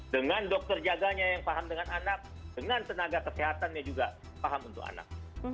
dengan dokter jaganya yang paham dengan anak dengan tenaga kesehatannya juga paham untuk anak